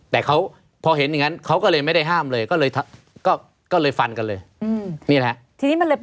แต่เขาพอเห็นอย่างนั้นเขาก็เลยไม่ได้ห้ามเลยก็เลยฟันกันเลย